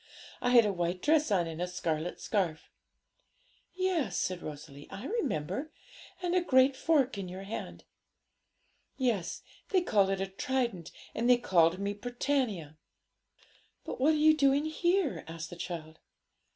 I had a white dress on and a scarlet scarf.' 'Yes,' said Rosalie, 'I remember; and a great fork in your hand.' 'Yes; they called it a trident, and they called me Britannia.' 'But what are you doing here?' asked the child.